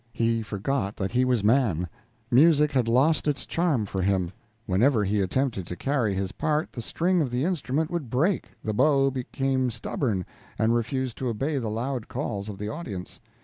He forgot that he was man; music had lost its charms for him; whenever he attempted to carry his part, the string of the instrument would break, the bow became stubborn, and refused to obey the loud calls of the audience.